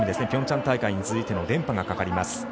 ピョンチャン大会に続いての連覇がかかります。